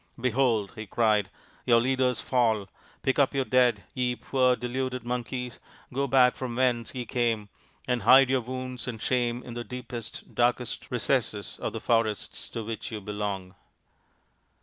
" Behold," he cried, ' your leaders fall Pick up your dead, ye poor deluded Monkeys ; go back from whence ye came, and hide your wounds and shame in the deepest, darkest recesses of the forests to which you belong."